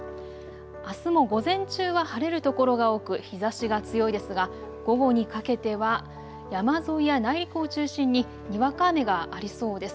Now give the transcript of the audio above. あすも午前中は晴れる所が多く日ざしが強いですが午後にかけては山沿いや内陸を中心ににわか雨がありそうです。